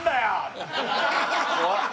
怖っ！